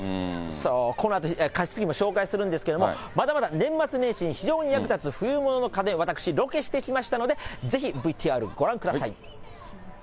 このあと加湿器も紹介するんですけど、まだまだ年末年始に非常に役立つ冬物の家電、私ロケしてきましたので、ぜひＶＴＲご覧ください。